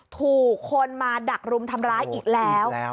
ถูกคนมาดักรุมทำร้ายอีกแล้ว